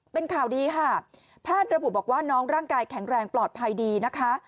เป็นข่าวดีค่ะแพทย์ระบุบอกว่าน้องร่างกายแข็งแรงปลอดภัยดีนะคะ